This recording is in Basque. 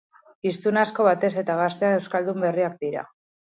Hiztun asko, batez ere gazteak, euskaldun berriak dira.